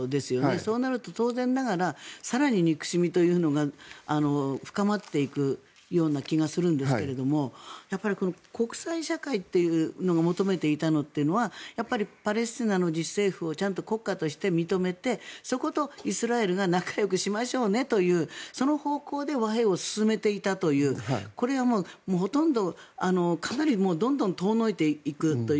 そうなると当然ながら更に憎しみというのが深まっていくような気がするんですけれども国際社会というのが求めていたものというのはパレスチナの自治政府を国家として認めてそことイスラエルが仲よくしましょうねというその方向で和平を進めていたというこれは、ほとんど、かなりどんどん遠のいていくという。